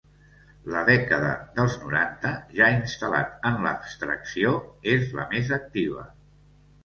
La dècada dels noranta, ja instal·lat en l’abstracció, és la més activa.